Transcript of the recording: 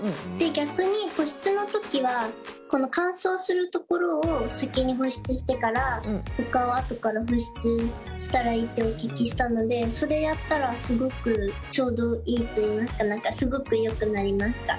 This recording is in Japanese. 逆に保湿の時はこの乾燥する所を先に保湿してからほかはあとから保湿したらいいってお聞きしたのでそれやったらすごくちょうどいいといいますかすごくよくなりました。